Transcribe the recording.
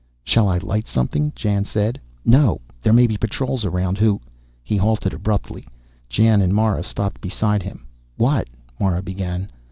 "Shall I light something?" Jan said. "No. There may be patrols around who " He halted abruptly. Jan and Mara stopped beside him. "What " Mara began.